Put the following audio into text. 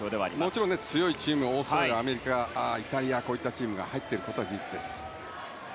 もちろん強いチームオーストラリア、アメリカイタリア、こういったチームが入っていることは事実です。